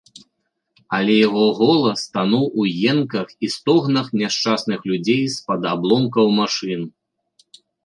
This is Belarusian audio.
Але яго голас тануў у енках і стогнах няшчасных людзей з-пад абломкаў машын.